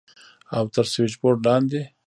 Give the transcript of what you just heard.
او تر سوېچبورډ لاندې.